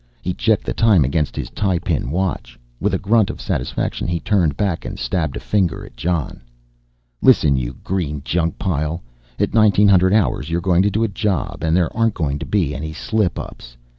He checked the time against his tie pin watch, with a grunt of satisfaction he turned back and stabbed a finger at Jon. "Listen, you green junk pile, at 1900 hours you're going to do a job, and there aren't going to be any slip ups.